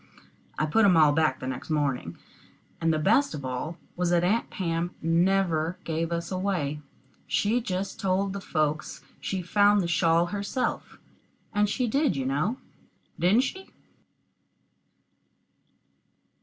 I put 'em all back the next morning, and the best of it all was that Aunt Pam never gave us away. She just told the folks she found the shawl herself, and she did, you know didn't she?